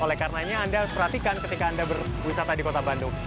oleh karenanya anda harus perhatikan ketika anda berwisata di kota bandung